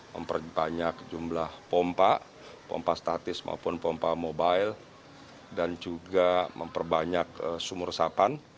memperbanyak jumlah pompa pompa statis maupun pompa mobile dan juga memperbanyak sumur resapan